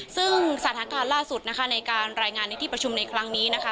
ซึ่งสถานการณ์ล่าสุดนะคะในการรายงานในที่ประชุมในครั้งนี้นะคะ